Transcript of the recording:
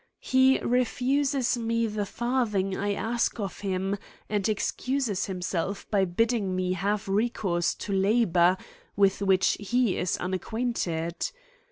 He refuses me the farthing I ask of ' him, and excuses himself by bidding me have re * course to labour, with which he is unacquainted.